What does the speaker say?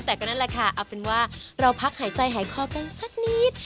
แต่ก็นั่นแหละค่ะเอาเป็นว่าเราพักหายใจหายคอกันสักนิด